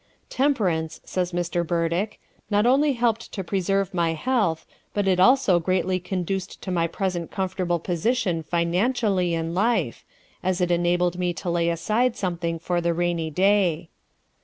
"Temperance," says Mr. Burdick, "not only helped to preserve my health, but it also greatly conduced to my present comfortable position financially in life, as it enabled me to lay aside something for the rainy day.